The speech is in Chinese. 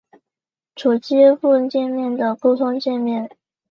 主机埠介面的沟通介面。